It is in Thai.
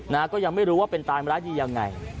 นะก็ยังไม่รู้ว่าเป็นตายเมื่อไรยังไง